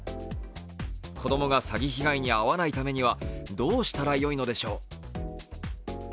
子供が詐欺被害に遭わないためにはどうしたらよいのでしょう。